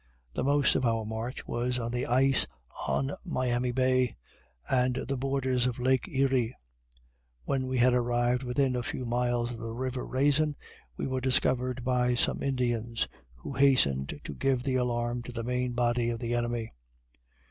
The most of our march was on the ice on Miami bay, and the borders of lake Erie. When we had arrived within a few miles of the river Raisin we were discovered by some Indians, who hastened to give the alarm to the main body of the enemy.